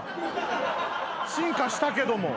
進化したけども。